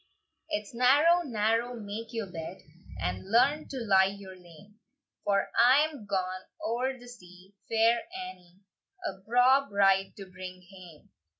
69.) "IT'S narrow, narrow, make your bed, And learn to lie your lane: For I'm ga'n oer the sea, Fair Annie, A braw bride to bring hame.